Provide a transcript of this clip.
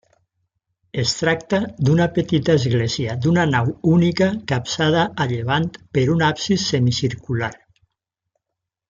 Es tracta d'una petita església d'una nau única capçada a llevant per un absis semicircular.